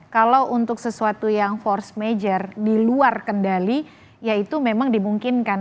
kalau untuk sesuatu yang force major di luar kendali ya itu memang dimungkinkan